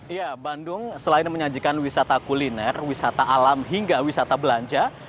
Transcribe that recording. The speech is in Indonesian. iya bandung selain menyajikan wisata kuliner wisata alam hingga wisata belanja